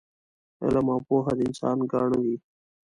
علم او پوه د انسان ګاڼه ده